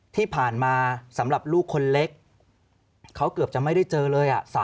ที่ผ่านมาสำหรับลูกคนเล็กเขาเกือบจะไม่ได้เจอเลย